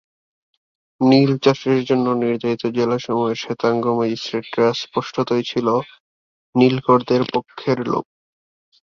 নীলচাষের জন্য নির্ধারিত জেলাসমূহের শ্বেতাঙ্গ ম্যাজিস্ট্রেটরা স্পষ্টতই ছিল নীলকরদের পক্ষের লোক।